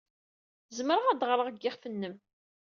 Zemreɣ ad ɣreɣ deg yiɣef-nnem.